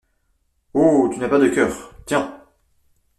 Oh ! tu n'as pas de coeur, tiens !